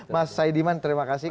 mas saidiman terima kasih